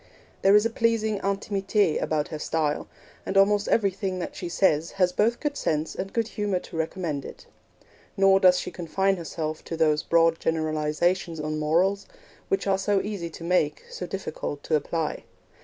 There is a pleasing intimite about her style, and almost everything that she says has both good sense and good humour to recommend it. Nor does she confine herself to those broad generalisations on morals, which are so easy to make, so difficult to apply.